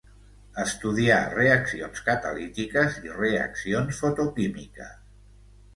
Estudià reaccions catalítiques i reaccions fotoquímiques.